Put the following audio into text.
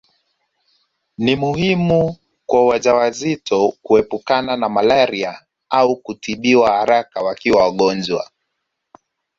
Ni muhimu kwa wajawazito kuepukana na malaria au kutibiwa haraka wakiwa wagonjwa